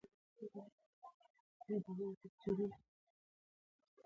کمپیوټر یوازې د ریاضي ژبې له لارې پوهېږي.